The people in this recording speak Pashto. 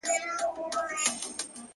• خریدار یې همېشه تر حساب تیر وي -